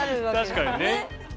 確かにね。